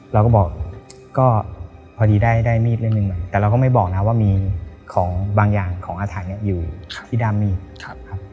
เราก็บอกก็พอดีได้มีดเล่นแต่เราก็ไม่บอกนะว่ามีของบางอย่างของอาธารอยู่ที่ด้ามมีด